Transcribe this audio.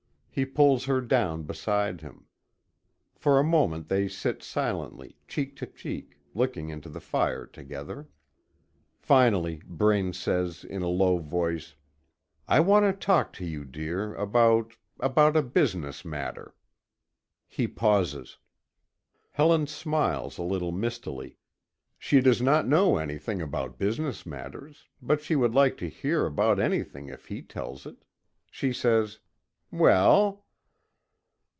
He pulls her down beside him. For a moment they sit silently, cheek to cheek, looking into the fire together. Finally, Braine says in a low voice: "I want to talk to you, dear, about about a business matter." He pauses. Helen smiles a little mistily. She does not know anything about business matters, but she will like to hear about anything if he tells it. She says: "Well?"